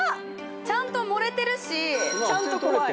ちゃんと盛れてるしちゃんと怖い。